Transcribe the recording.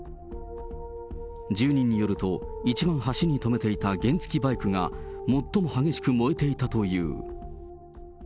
住人によると、一番端に止めていた原付バイクが最も激しく燃えていたという。